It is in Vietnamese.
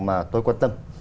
mà tôi quan tâm